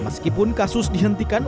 meskipun kasus dihentikan